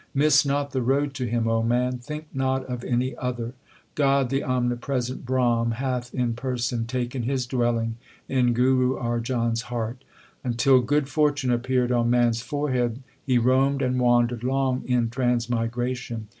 Miss not the road to him, O man ; think not of any other. God the Omnipresent Brahm hath in person taken His dwelling in Guru Arjan s heart. Until good fortune appeared on man s forehead, he roamed and wandered long in transmigration.